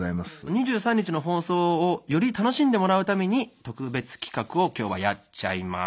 ２３日の放送をより楽しんでもらうために特別企画を今日はやっちゃいます！